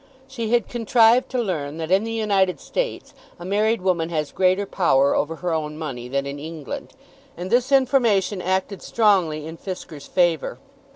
She had contrived to learn that, in the United States, a married woman has greater power over her own money than in England, and this information acted strongly in Fisker's favour.